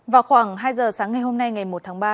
vào khoảng hai giờ sáng ngày hôm nay ngày một tháng ba